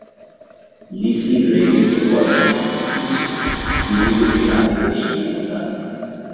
লিসি রেগে উঠে বলে, ইস, বিমি বোসের আদর নেই ওঁর কাছে!